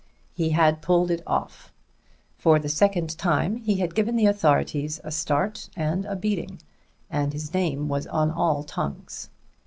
He had pulled it off. For the second time he had given the authorities a start and a beating, and his name was on all tongues.